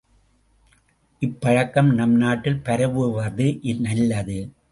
இப்பழக்கம் நம்நாட்டில் பரவுவது நல்லது.